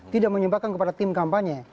tidak menyebarkan kepada tim kampanye